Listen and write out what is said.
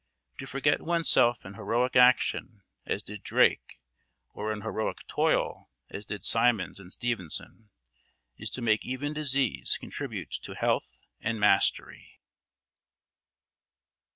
To forget oneself in heroic action as did Drake, or in heroic toil as did Symonds and Stevenson, is to make even disease contribute to health and mastery.